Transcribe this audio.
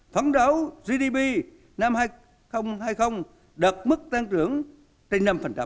phấn đấu gdp năm hai nghìn hai mươi đạt mức tăng trưởng trên năm